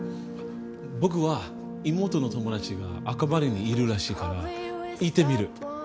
僕は妹の友達が赤羽にいるらしいから行ってみる。